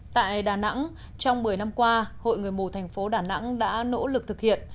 tại đà nẵng trong một mươi năm qua hội người mù thành phố đà nẵng đã nỗ lực thực hiện